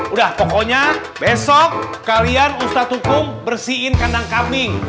udah pokoknya besok kalian ustaz tukung bersihin kandang kambing